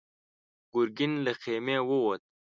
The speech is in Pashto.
ګرګين له خيمې ووت.